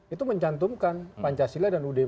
itu mencantumkan pancasila dan ud empat puluh lima